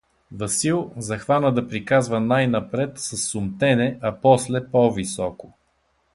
Васил, захвана да приказва най-напред със сумтене, а после по-високо.